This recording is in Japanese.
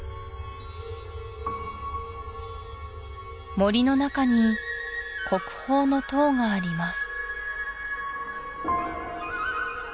森の中に国宝の塔があります